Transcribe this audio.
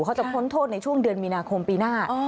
เขาจะพ้นโทษในช่วงเดือนมีนาคมปีหน้า